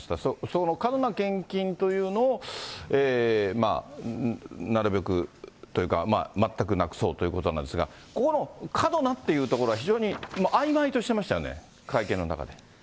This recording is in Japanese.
その過度な献金というのをなるべくというか、全くなくそうというところなんですが、ここの過度なっていうところが非常にあいまいとおっしゃいましたよね、会見の中で。